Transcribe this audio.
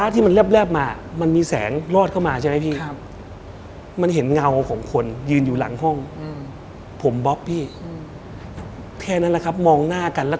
ทุกคนคิดว่าจะพูดทำไม